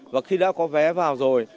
và khi đã có vé vào rồi